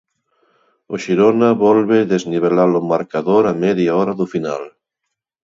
O Xirona volve desnivelar o marcador a media hora do final.